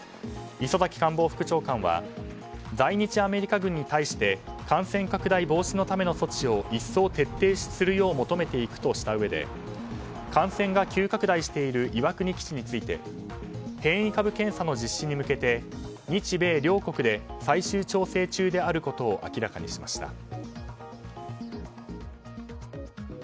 磯崎官房副長官は在日アメリカ軍に対して感染拡大防止のための措置を一層徹底するよう求めていくとしたうえで感染が急拡大している岩国基地について変異株検査の実施に向けて日米両国で最終調整中であることを明らかにしました。